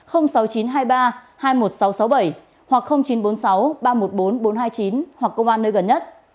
sáu nghìn chín trăm hai mươi ba hai mươi một nghìn sáu trăm sáu mươi bảy hoặc chín trăm bốn mươi sáu ba trăm một mươi bốn bốn trăm hai mươi chín hoặc công an nơi gần nhất